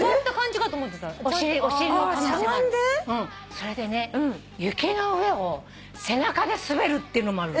それでね雪の上を背中で滑るっていうのもあるの。